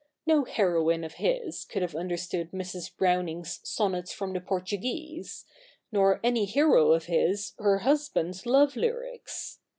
No heroine of his could have understood Mrs. Browning's Sonnets from the Portuguese ; nor any hero of his her husband's love lyrics.